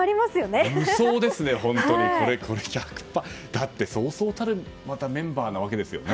だって、そうそうたるメンバーなわけですよね。